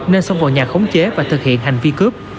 nên xông vào nhà khống chế và thực hiện hành vi cướp